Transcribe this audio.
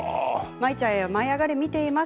舞ちゃんへ「舞いあがれ！」を見ています。